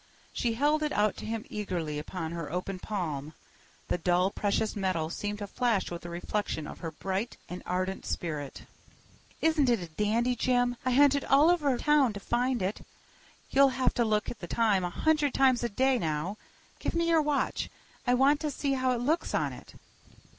She held it out to him eagerly upon her open palm. The dull precious metal seemed to flash with a reflection of her bright and ardent spirit. "Isn't it a dandy, Jim? I hunted all over town to find it. You'll have to look at the time a hundred times a day now. Give me your watch. I want to see how it looks on it."